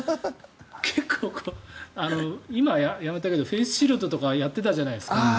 結構、今はやめたけどフェースシールドとかやってたじゃないですか。